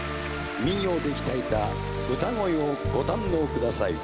民謡で鍛えた歌声をご堪能ください。